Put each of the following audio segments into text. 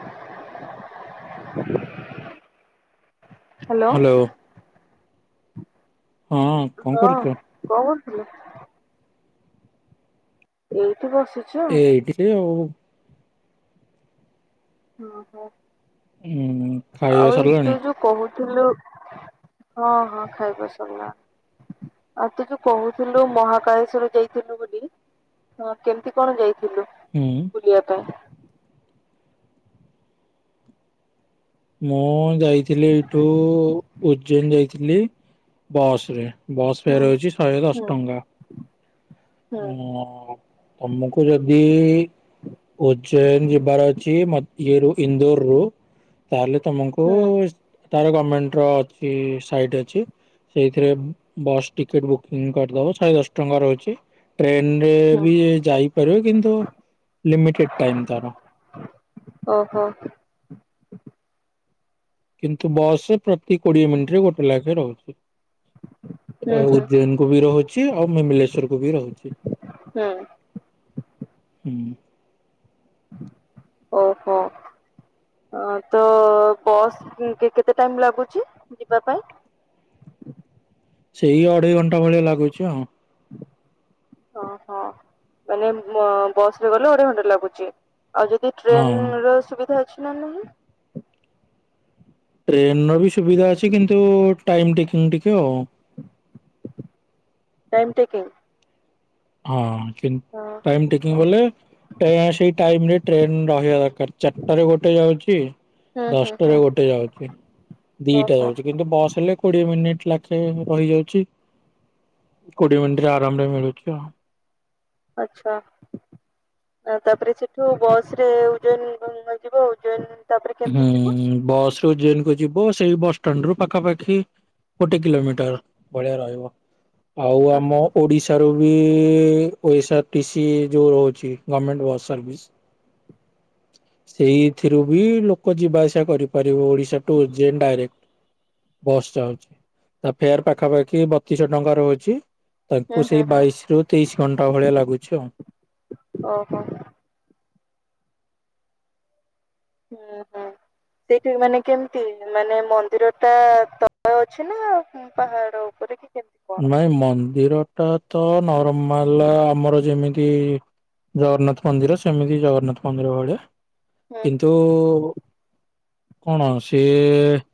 [unintelligible] Hello ହଁ କଣ hello କରୁଛ? କଣ କରୁଥିଲୁ। ଏଇଠି ବସିଛି। ଏଇଠିିକ ଆଉ। ହ ହୋ ଉଁ ଖାଇବା ଆଉଇ ତୁ ସରିଲାଣି? ଯୁ କହୁଥିଲୁ ହଁ ହଁ ଖାଇବା ସରିଲା। ଆଉ ତୁ ଯୋଉ କହୁଥିଲୁ ମହାକାଳେଶ୍ଵର ଯାଇଥିଲୁ ବୋଲି। ହଁ କେମିତି କଣ ଯାଇଥିଲୁ ହୁଁ ବୁଲିବା ପାଇଁ। ମୁଁ ଯାଇଥିଲି ଏଇଠୁ ଉଜ୍ଜୈନ ଯାଇଥିଲି ବସ ରେ ବସ୍ ହୁଁ। ଫେୟାର ହେଉଛି ଶହେ ହୁଁ ଦଶ ଟଙ୍କା। ହୁଁ ଉଁ ତମକୁ ଯଦି ଉଜ୍ଜୈନ ଯିବାର ଅଛି ମ ଇଏ ଇନ୍ଦୋର ରୁ ତାହେଲେ ତମକୁ ହୁଁ ତାର ଗଭର୍ଣମେଣ୍ଟ ର ଅଛି ସାଇଟ ଅଛି। ସେଇଥିରେ ବସ୍ ଟିକେଟ ବୁକିଂ କରିଦବ ସହେ ଦଶ ଟଙ୍କା ରହୁଛି। ଟ୍ରେନରେ ହୁଁ ବି ଯାଇପାରିବ କିନ୍ତୁ ଲିମିଟେଡ ଟାଇମ ତାର। ଓହୋ କିନ୍ତୁ ବସ୍ ରେ ପ୍ରତି କୋଡିଏ ମିନିଟରେ ଗୋଟେ ଲେଖେ ରହୁଛି। ହୁଁ ହୁଁ ଉଜ୍ଜୈନ କୁ ବି ରହୁଛି ଆଉ ମିମିଲେଶ୍ୱର କୁ ବି ରହୁଛି। ହୁଁ। ହୁଁ ଓହୋ ହ ହଁ ତ ବସ୍ କେତେ ଟାଇମ୍ ଲାଗୁଛି ଯିବା ପାଇଁ? ସେଇ ଅଢେଇ ଘଣ୍ଟା ଭଳିଆ ଲାଗୁଛି ଆଉ। ଓହୋ ମାନେ ବସ ରେ ଗଲେ ଅଢେଇ ଘଣ୍ଟା ଲାଗୁଛି ଆଉ ଯି ଯଦି ହଁ। ଟ୍ରେନ ର ସୁବିଧା ଅଛି ନା ନାହିଁ। ଟ୍ରେନ ର ବି ସୁବିଧା ଅଛି କିନ୍ତୁ ଟାଇମ ଟେକିଂ ଟିକେ ଆଉ। Time taking. ହଁ କିନ ହଁ ଟାଇମ ଟେକିଂ ହଁ ବଲେ ଟ୍ରେୟା ସି ଇ ଟାଇମରେ ଟ୍ରେନ ରହିବା ଦରକାର ଚାରିଟା ରେ ଗୋଟେ ଯାଉଛି ହୁଁ ହୁଁ ହୁଁ ଦଶଟାରେ ଗୋଟେ ଯାଉଛି ଦିଟା ଓହୋ ଯାଉଛି। କିନ୍ତୁ ବସ୍ ହେଲେ କୋଡିଏ ମିନିଟ ଲାଖେ ରହିଯାଉଛି। କୋଡିଏ ମିନିଟି ରେ ଆରାମ ରେ ମିଳୁଛି ଆଉ। ଆଛା। ଆ ତାପରେ ସେଠୁ ବସ ରେ ଉଜୈନ ଯିବ ଉଜ୍ଜୈନ ହୁଁ ବସ ରୁ ଉଜେନ୍ କୁ ଯିବ ସେଇ ବସଷ୍ଟାଣ୍ଡ ରୁ ପାଖାପାଖି ଗୋଟେ କିଲୋମିଟର ଭଳିଆ ରହିବ ଆଉ ଆମ ଓଡିଶାରୁ ବି ପଇସା ଟି ସି ଯୋଉ ରହୁଛି ଗମେଣ୍ଟ ବସ୍ ସର୍ଭିସ ସେଇଥିରୁ ବି ଲୋ କ ଯିବା ଆସିବା କରିପାରିବ ଓଡିଶା ଟୁ ଯେ ଡାଇରେକ୍ଟ। ବସ୍ ଚାହୁଛି ତା ଫେୟାର ପାଖାପାଖି ବତିଶହ ଟଙ୍କା ରୋହୁଚି ହୁଁ ତାଙ୍କୁ ହୁଁ ସେଇ ହୁଁ ବାଇଶି ରୁ ତେଇଶି ଘଣ୍ଟା ଭଳିଆ ଲାଗୁଛି ଆଉ। ଓହୋ। ହୁଁ ହୁଁ। ସେଇଠି ମାନେ କେମିତି ମାନେ ମନ୍ଦିର ଟା ତଳେ ଅଛି ନା ପାହାଡ ଉପରେ କି କଣ? ନାଇଁ ମନ୍ଦିର ଟା ତ ନରମାଲ ଆମର ଯେମିତି ଜଗନ୍ନାଥ ମନ୍ଦିର ସେମିତି ଜଗନ୍ନାଥ ମନ୍ଦିର ଭଳିଆ ହୁଁ କିନ୍ତୁ କଣ ସିଏ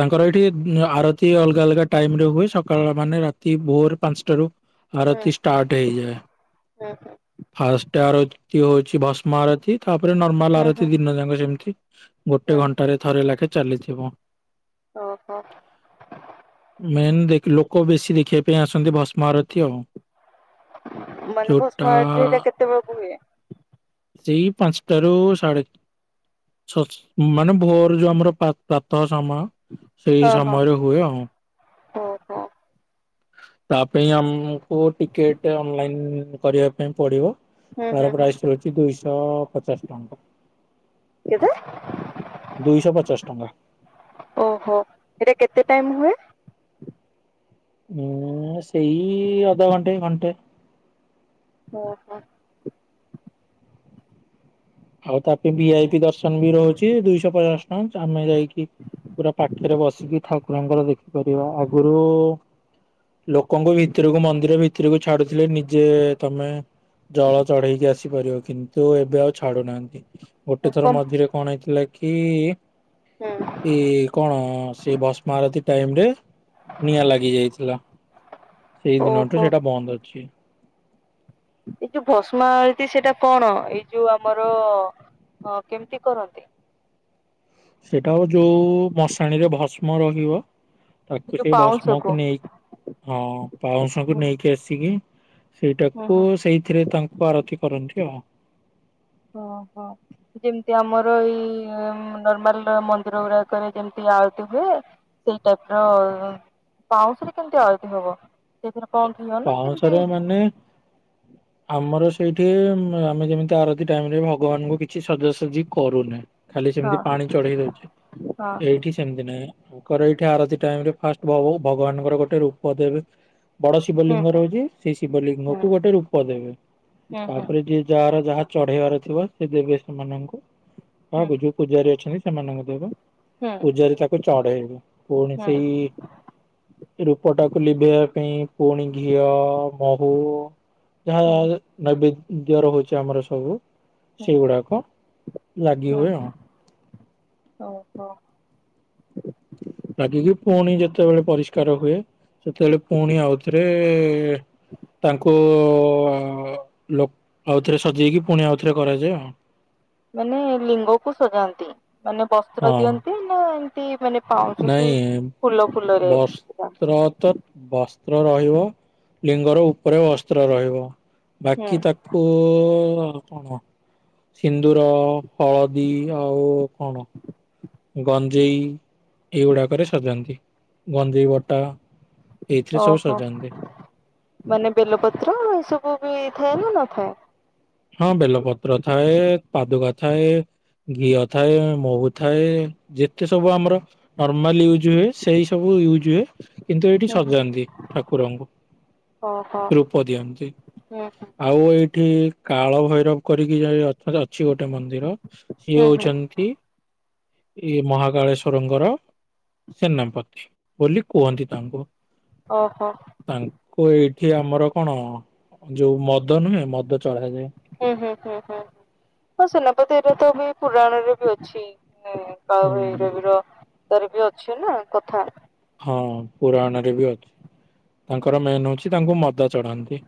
ତାଙ୍କର ଏଇଠି ଆରତି ଅଲଗା ଅଲଗା ଟାଇମ ରେ ହୁଏ ସକାଳ ମାନେ ରାତି ଭୋର ପାଞ୍ଚଟାରୁ ହୁଁ ଆରତି ଷ୍ଟାର୍ଟ ହେଇଯାଏ। ହୁଁ ହୁଁ ଫାଷ୍ଟ ଆରତ ହଉଛି ଭସ୍ମ ଆରତୀ ତାପରେ ନର୍ମାଲ ହୁଁ ହୁଁ ହୁଁ। ଆରତୀ ଦିନ ଯାକ ଯେମତି। ଗୋଟେ ଘଣ୍ଟାରେ ଥରେ ଲେଖେ ଚାଲିଯିବ। ଓହୋ ମେନ୍ ଦେଖୀ ଲୋକ ବେଶୀ ଦେଖିବା ପାଇଁ ଆସନ୍ତି ଭସ୍ମରତୀ ଆଉ। ମାନେ ଯୋଉଟା ଭସ୍ମଆରର୍ତି ଟା କେତେବେେଳକୁ ହୁଏ। ସେଇ ପଞ୍ଚଟା ରୁ ସାଢେ ଛ ଛ ମାନେ ଭୋର ଯୋଉ ଆମର ଯୋଉ ପ୍ରାତଃ ସମୟ ସେଇ ହଁ ହଁ ସମୟରେ ହୁଏ ଆଉ। ଓହୋ ତା ପାଇଁ ଆମକୁ ଟିକେଟ ଅନଲାଇନ କରିବା ପାଇଁ ପଡିବ। ହୁଁ ହୁଁ। ରଛି ଦୁଇଶହ ପଚାଶ ଟଙ୍କା। କେତ। ଦୁଇଶ ପଚାଶ ଟଙ୍କା। ଓହୋ ଏଟା କେତେ ଟାଇମ୍ ହୁଏ। ଉଁ ସେଇ ଅଧଘଣ୍ଟେ ଘଣ୍ଟେ। ଓହୋ। ଆଉ ତା ପାଇଁ ଭିଆଇ ପି ଦର୍ଶନ ବି ରହୁଛି ଦୁଇଶହ ପଚାଶ ଟଙ୍କା ଆମେ ଯାଇକି କି ପୁରା ପାଖରେ ବସିକି ଠାକୁରଙ୍କର ଦେଖିପାରିବା ଆଗରୁ ଲୋକଙ୍କୁ ଭିତରକୁ ମନ୍ଦିର ଭିତରକୁ ଛାଡୁଥିଲେ ନିଜେ ତମେ ଜଳ ଚଢେଇକି ଆସିପାରିବ କିନ୍ତୁ ଏବେ ଆଉ ଛାଡୁନାହାନ୍ତି ଗୋଟେ ଥର କମ୍ ମଝିରେ କଣ ହେଇଥିଲା କି ହୁଁ ଏଇ କଣ ସେ ଭସ୍ମଆରଥୀ ପ ଟାଇମ ରେ ନିଆଁ ଲାଗି ଯାଇଥିଲା ସେଇ ଦିନଠୁ ଓହୋ ସେଇଟା ବନ୍ଦ ଅଛି। ଏଇ ଯୋଉ ଭସ୍ମାଳୀ ସେଇଟା କଣ ଏଇ ଯୋଉ ଆମର କେମିତି କରନ୍ତି? ସେଇଟା ହ ଯୋଉ ମଶାଣିରେ ଭସ୍ମ ରହିବ। ଏ ତାକୁ ଯୋଉ ସେଇ ଭଷ୍ମକୁ ପାଉଁଶକୁ ନେଇକି ହଁ ପାଉଁଶକୁ ହୁଁ ନେଇକି ଆସିକି ହୁଁ ସେଇଟାକୁ ହୁଁ ସେଇଥିରେ ତାଙ୍କୁ ଆରତି କରନ୍ତି ଆଉ ଓହୋ। ଯେମିତି ଆମର ଏଇ ନର୍ମାଲ ମନ୍ଦିର ଗୁଡାକରେ ଯେମିତି ଆଳତି ହୁଏ। ସେଇ ଟାଇପର ପାଉଁଶରେ କେମିତି ଆଳତି ହବ। ସେଥିରେ କଣ ହବ ନା କେମତି? ହୁଁ। ଆମର ସେଇଠି ଆମେ ଯେମିତି ଆରତି ଟାଇମରେ ଭ ଭଗବାନଙ୍କୁ କିଛି ସଜାସଜି କରୁନ ଖାଲି ସେମିତି ହଁ ପାଣି ଚଢେଇ ଦଉଛ ଏଇଠି। ସେମତି ନାଇଁର ଏଇଠି ଆରତି ଟାଇ ଫାଷ୍ଟ ଭଗବାନଙ୍କର ଗୋଟେ ରୂପ ଦେବେ ବଡ ହୁଁ ଶିବଲିଙ୍ଗ ରହୁଛି ସେ ହୁଁ ଶିବଲିଙ୍ଗକୁ ଗୋଟେ ରୂପ ଦେବେ ହୁଁ ହୁଁ ହୁଁ ତାପରେ ଯିଏ ଯାହାର ଯାହା ଚଢେଇବାର ଥିବ ସେ ଦେବେ ସେମାନଙ୍କୁ ବା ହୁଁ ଯୋଉ ପୂଜାରୀ ଅଛନ୍ତି ସେମାନଙ୍କୁ ଦେବେ ହୁଁ ପୂଜାରେ ତାକୁ ଚଢେଇବ ପୁଣି ହୁଁ ସେଇ ରୂପଟାକୁ ଲିଭେଇବା ପାଇଁ ପୁଣି ଘିଅ ମହୁ ଯାହା ହୁଁ ନୈବେଦ୍ୟ ରହୁଛି ଆମର ସବୁ ହୁଁ ସେଇଗୁଡାକ ଲାଗି ହୁଁ ହୁଏ ଆଉ ହୁଁ ଓହୋ। ଲାଗିକି ପୁଣି ଯେତେବେଳେ ପରିଷ୍କାର ହୁଏ ସେତେବେଳେ ପୁଣି ଆଉଥରେ ତାଙ୍କୁ ଲୋକ ଆଉଥରେ ସଜେଇକି ପୁଣି ଆଉଥରେ କରାଯାଏ ଆଉ ମାନେ ଲିଙ୍ଗକୁ ସଜାନ୍ତି ମାନେ ବସ୍ତ୍ର ହଁ ଦିଅନ୍ତି। ନା ଏମତି ମାନେ ପାଉଛି କି ଫୁଲ ଫୁଲରେ। ସଜାନ୍ତି ବ୍ର ତ ବସ୍ତ୍ର ରହିବ ଲିଙ୍ଗର ଉପରେ ବସ୍ତ୍ର ରହିବ। ହୁଁ ବାକି ତାକୁ ତ କଣ ସିନ୍ଦୁର ହଳଦୀ ଆଉ କଣ? ଗଞ୍ଜେଇ ଏଗୁଡ଼ାକରେ ସଜନ୍ତି ଗଞ୍ଜେଇ ବଟା ଏଇଥିରେ ସବୁ ଓହୋ ସଜାନ୍ତି ମାନେ ବେଲପତ୍ର ଏସବୁ ବି ଥାଏ ନା ନଥାଏ? ହଁ ବେଲପତ୍ର ଥାଏ ପାଦୁକା ଥାଏ। ଘିଅ ଥାଏ ମହୁ ଥାଏ ଯେତେ ସବୁ ଆମର ନର୍ମାଲ ୟୁଜ୍ ହୁଏ ସେଇ ସବୁ ୟୁଜ୍ ହୁଏ। କିନ୍ତୁ ଏଇଠି ହୁଁ ହୁଁ ସଜାନ୍ତି ଠାକୁରଙ୍କୁ। ଓହୋ ରୂପ ଦିଅନ୍ତି। ହୁଁ ହୁଁ। ଆଉ ଏଇଠି କାଳ ଭୈରବ କରିକି ଯାଇ ଅଛି ଗୋଟେ ମନ୍ଦିର ସିଏ ହୁଁ ହୁଁ ହଉଛନ୍ତି ଇ ମହାକାଳେଶ୍ଵରଙ୍କର ସେନାପତି ବୋଲି କୁହନ୍ତି ତାଙ୍କୁ। ଓହୋ। ତାଙ୍କୁ ଏଇଠି ଆମର କଣ ଯୋଉ ମଦ ନୁହେଁ ମଦ ଚଢାଯାଏ। ହୁଁ ହୁଁ ହୁଁ ହୁଁ ହୁଁ ହଁ ସେନାପତି ଏବେ ତ ବି ପୁରାଣରେ ବି ଅଛି। ହୁଁ। [unintelligible] ବି ଅଛି ନା କଥା। ହଁ ପୁରାଣରେ ବି ଅଛି ତାଙ୍କର ମେନ୍ ହଉଛି ତାଙ୍କୁ ମଦ ଚଢାନ୍ତି।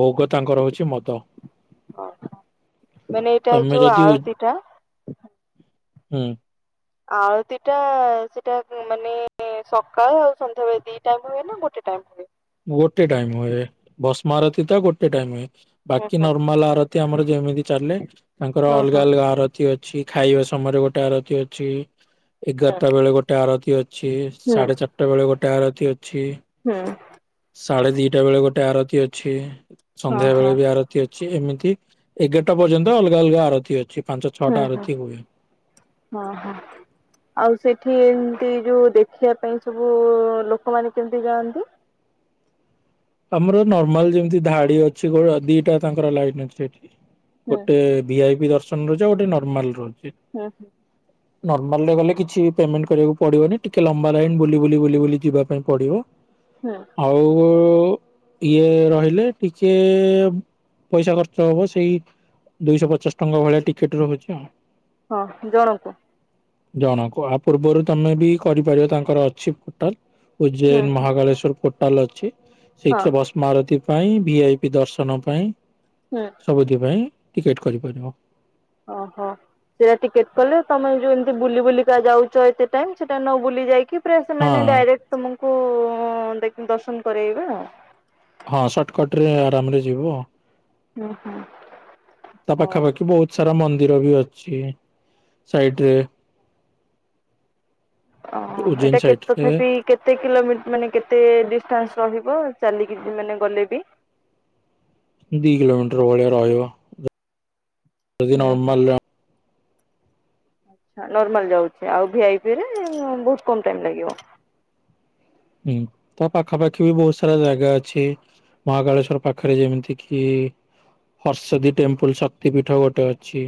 ଭୋଗ ତାଙ୍କର ହଉଛି ମଦ ହଁ ମାନେ ଏଇଟା ତମେ ଯୋଉ ଯଦି ହୁଁ। ଆଳତି ଟା ଆଳତି ଟା ସେଟା ମାନେ ସକାଳ ଆଉ ସନ୍ଧ୍ୟାବେଳେ ଦି ଟା ହୁଏ ନା ଗୋଟେ ଟାଇମ୍ ହୁଏ। ଗୋଟେ ଟାଇମ ହୁଏ ବସ୍ମାରତି ତ ଗୋଟେ ଟାଇମ ହୁଏ। ହୁଁ ବାକି ହୁଁ। ନର୍ମାଲ ଆରତି ଆମର ଯେମିତି ଚାଲେ ତାଙ୍କର ହଁ ହଁ ଅଲଗା ଅଲଗା ଆରତ ଆରତି ଅଛି ଖାଇବା ସମୟରେ ଗୋଟେ ଆରତି ଅଛି ଏଗାରଟା ବେଳେ ଗୋଟେ ଆରତି ଅଛି। ହୁଁ ସାଢେ ଚାରିଟା ବେଳେ ଗୋଟେ ଆରତି ଅଛି। ହୁଁ। ସାଢେ ଦିଟା ବେଳେ ଗୋଟେ ଆରତି ଅଛି ହଁ ସନ୍ଧ୍ୟା ହଁ ବେଳେ ବି ଆରତ ତି ଅଛି ଏମିତି ଏଗାରଟା ପର୍ଯ୍ୟନ୍ତ ଅଲଗା ଅଲଗା ଆରତି ଅଛି। ପାଞ୍ଚ ହୁଁ ଛଅଟା ହୁଁ ଆରତି ହୁଏ। ହଁ ହଁ। ଆଉ ସେଠି ଏମତି ଯୋଉ ଦେଖିବା ପାଇଁ ସବୁ ଲୋକମାନେ କେମିତି ଯାଆନ୍ତି। ଆମର ନର୍ମାଲ ଯେମିତି ଧାଡି ଅଛି ଦିଟା ତାଙ୍କର ଲାଇଟ ଅଛି ସେଠି। ହୁଁ ଗୋଟେ ଭିଆଇ ପି ଦର୍ଶନ ରହୁଛି ଆଉ ଗୋଟେ ନର୍ମାଲ ରହୁଛି। ହୁଁ। ନର୍ମାଲ ରେ ଗଲେ କିଛି ପେମେଣ୍ଟ କରିବାକୁ ପଡିବନି ଟିକେ ଲମ୍ବା ଲାଇନ ବୁଲି ବୁଲି ବୁଲି ବୁଲି ଯିବା ପାଇଁ ପଡିବ। ହେଁ। ଆଉ ଇଏ ରହିଲେ ଟିକେ ପଇସା ଖର୍ଚ୍ଚ ହବ ସେଇ ଦୁଇଶହ ପଚାଶ ଟଙ୍କା ଭଳିଆ ଟିକେଟ ରହୁଛି ଆଉ। ହଁ ଜଣଙ୍କୁ। ଜଣକୁ ଆ ପୂର୍ବରୁ ତମେ ବି କରିପାରିବ ତାଙ୍କର ଅଛି ଟାଲ ହୁଁ ଉଜ୍ଜୟନ ମହାକାଳେଶ୍ୱର କୋଟାଲ ଅଛି। ହଁ ଶିକ୍ଷ ଭସ୍ମାରତୀ ପାଇଁ ବି ଆଇ ପି ଦର୍ଶନ ପାଇଁ। ହୁଁ। ସବୁଦି ପାଇଁ ଟିକେଟ୍ କରିପାରିବ। ଓହୋ। ସେଇଟା ଟିକେଟ କଲେ ତମେ ଯଉ ଏମିତି ବୁଲି ବୁଲିକା ଯାଉଚ ଏତେ ଟାଇମ ସେଟା ନ ବୁଲି ଯାଇକି ପ୍ରେ ସେମାନେ ହଁ ଡାଇରେକ୍ଟ ତମକୁ ଦେ ଦର୍ଶନ କରେଇବେ ଆଉ। ହଁ ସଟକଟ ରେ ଆରାମରେ ଯିବ। ହୁଁ ହୁଁ। ତା ପାଖାପାଖି ବହୁତ ସାରା ମନ୍ଦିର ବି ଅଛି ସାଇଟି ରେ। ଓହ ଉଜ୍ଜୈନ ଏଟା ସାଇଡରେ କେତେଥାପି କେ କେତେ କିଲୋମିର ମାନେ କେତେ ଡିଷ୍ଟାନ୍ସ ରହିବ ଚାଲିକି ମାନେ ଗଲେ ବି। ଦି କିଲୋମିଟର ଭଳିଆ ରହିବ ଯଦି ହୁଁ ହୁଁ ନର୍ମାଲ ନର୍ମାଲ ଯାଉଛି ଆଉ ଭିଆଇ ପି ରେ ବୋହୁତ କମ ଟାଇମ ଲାଗିବ। ହୁଁ ତା ପାଖାପାଖି ବି ବୋହୁତ ସାରା ଜାଗା ଅଛି। ମହାକାଳେଶ୍ୱର ପାଖରେ ଯେମିତି କିି ହର୍ଷଦୀ ଟେମ୍ପଲ ଶକ୍ତି ପୀଠ ଗୋଟେ ଅଛି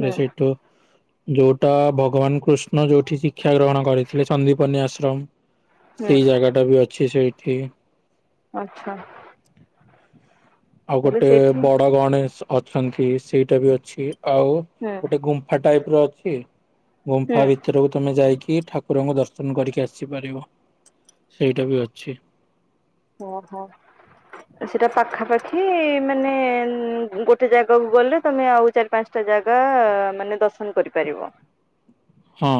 ହୁଁ ସେଇଠୁ ଯୋଉଟା ଭଗବାନ କୃଷ୍ଣ ଯୋଉଠି ଶିକ୍ଷା ଗ୍ରହଣ କରିଥିଲେ ସନ୍ଦୀପନି ଆଶ୍ରମ। ହୁଁ ସେଇ ଜାଗା ଟା ବି ଅଛି ସେଇଠି। ଆଛା। ଆଉ ଗୋଟେ ସେଇଠି ବଡ ଗଣେଶ ଅଛନ୍ତି ସେଇଟା ବି ଅଛି ଆଉ ହୁଁ ଗୋଟେ ଗୁମ୍ ଫା ଟାଇପ ର ଅଛି ହୁଁ। ଗୁମ୍ଫା ଭ [unintelligible] ଭିତରକୁ ତୁମେ ଯାଇକି ଠାକୁରଙ୍କୁ ଦର୍ଶନ କରିକି ଆସିପାରିବ ସେଇଟା ବି ଅଛି। ହ ହୋ ଁ [inaudible] ସେଇଟା ପାଖାପାଖି ମାନେ ଗୋଟେ ଜାଗାକୁ ଗଲେ ତୁମେ ଆଉ ଚାରି ପାଞ୍ଚ ଟା ଜାଗା ମାନେ ଦର୍ଶନ କରିପାରିବ। ହଁ।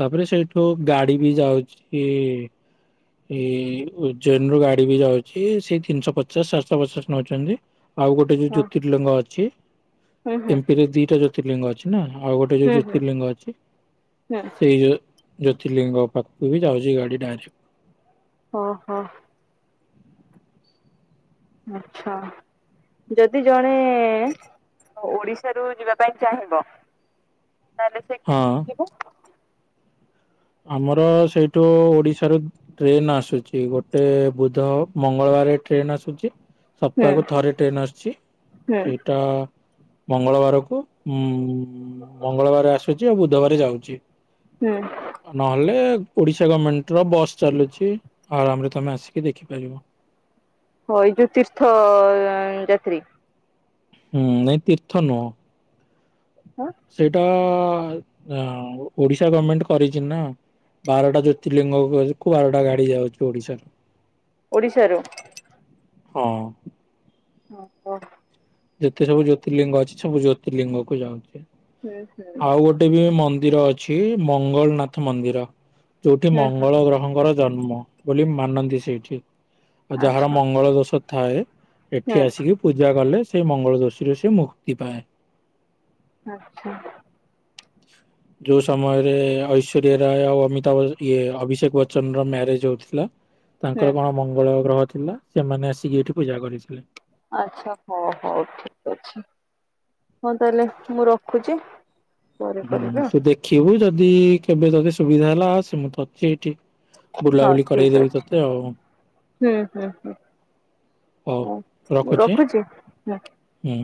ତାପରେ ସେଇଠୁ ଗାଡି ବି ଯାଉଛି। ଏଇ ଉଜନ ରୁ ଗାଡି ବି ଯାଉଛି ସେଇ ତିନିଶହ ପଚାଶ ସାତିଶହ ପଚାଶ ନଉଛନ୍ତି। ଆଉ ଗୋଟେ ଯୋଉ ହଁ ଜ୍ୟୋତିର୍ଲିଙ୍ଗ ଅଛି ହୁଁ ହୁଁ ଏମପି ରେ ଦିଟା ଜୋ ଜ୍ୟୋତିର୍ଲିଙ୍ଗ ଅଛି ନା ଆଉ ଗୋଟେୋଉ ହୁଁ ହୁଁ ଜ୍ୟୋତିର୍ଲିଙ୍ଗ ଅଛି। ହୁଁ। ଏଇ ଜ୍ୟୋତିର୍ଲିଙ୍ଗ ପାଖକୁ ବି ଯାଉଛି ଗାଡି ଡାଁରେ ଅହଁ ହ ଆଛା। ଯଦି ଜଣେ ଓଡିଶାରୁ ଯିବା ପାଇଁ ଚାହିଁବ। ତାଲେ ସେ ହଁ କେମିତି ଯିବ? ଆମର ସେଇଠୁ ଓଡିଶାରୁ ଟ୍ରେନ ଆସୁଛି ଗୋଟେ ବୁଧ ମଙ୍ଗଳବାରେ ଟ୍ରେନ ଆସୁଛି। ହୁଁ ସପ୍ତାହକୁ ଥରେ ଟ୍ରେନ୍ ଆସୁଛି ହୁଁ ସେଇଟା ମଙ୍ଗଳବାରକୁ ଉ ମଙ୍ଗଳବାର ଆସୁଛି ଆଉ ବୁଧବାର ଯାଉଛି। ହୁଁ। ନହେଲେ ଓଡିଶା ଗଭର୍ଣମେଣ୍ଟ ର ବସ୍ ଚାଲୁଛି ଆରାମରେ ତମେ ଆସିକି ଦେଖିପାରିବ। ହଁ ଏଇ ଯୋଉ ତୀର୍ଥ ଯାତ୍ରୀ। ହୁଁ ନାଇଁ ତୀର୍ଥ ନୁହଁ। ହଁ। ସେଇଟା ଓଡିଶା ଗଭର୍ଣମେଣ୍ଟ କରିଛି ନା। ବାରଟା ଜ୍ୟୋତିର୍ଲିଙ୍ଗ କୁ ବାରଟା ଗାଡି ଯାଉଛି ଓଡିଶାରୁ। ଓଡ଼ିଶାରୁ ହଁ। ଓହଁ ହ। ଯେତେ ସବୁ ଜ୍ୟୋତିର୍ଲିଙ୍ଗ ଅଛି ସବୁ ଜ୍ୟୋତିର୍ଲିଙ୍ଗ କୁ ଯାଉଛି ହୁଁ ହୁଁ ଆଉ ଗୋଟେ ଗୋଟେ ବି ମନ୍ଦିର ଅଛି ମଙ୍ଗଳ ନାଥ ମନ୍ଦିର ଯୋଉଠି ହୁଁ ହୁଁ ମଙ୍ଗଳ ଗ୍ରହଙ୍କର ଜନ୍ମ ବୋଲି ମାନନ୍ତି ସେଇଠି ଆଉ ଯାହାର ଆଚ୍ଛା ମଙ୍ଗଳ ଦୋଷ ଥାଏ। ହୁଁ ଏଠି ଆସିକି ପୂଜା କଲେ ସେଇ ମଙ୍ଗଳ ଦୋଷୀରୁ ସେ ମୁକ୍ତି ପାଏ। ଆଚ୍ଛା। ଯୋଉ ସମୟରେ ଐଶୋରିଆ ରାୟ ଆଉ ଅମିତାଭ ଇଏ ଅଭିଷେକ ବଚ୍ଚନ ର ମ୍ୟାରେଜ ହଉଥିଲା। ହୁଁ ତାଙ୍କର କଣ ମଙ୍ଗଳ ଗ୍ରହ ଥିଲା। ସେମାନେ ଆସିକି ଏଇଠି ପୂଜା କରିଥିଲେ। ଆଚ୍ଛା ହଉ ହଉ ଠିକ ଅଛି। ହଁ ତାହେଲେ ମୁଁ ରଖୁଛି। ପରେ ହୁଁ କରିବି ଆଉ ତୁ ଦେଖିବୁ ଯଦି କେବେ ଯଦି ସୁବିଧା ହେଲା ସେ ମତେ ମୁଁ ତ ଅଛି ଏଇଠି। ହଁ ଠିକ ଅଛି ହୁଁ ହୁଁ ହ। ହଉ ହଁ ମୁଁ ରଖୁଛି। ହୁଁ।